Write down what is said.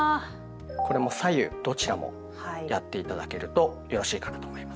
これも左右どちらもやって頂けるとよろしいかなと思います。